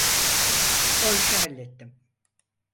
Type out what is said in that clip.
O işi hallettim.